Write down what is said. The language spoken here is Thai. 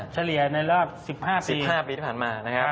เฉลี่ยในรอบ๑๕๑๕ปีที่ผ่านมานะครับ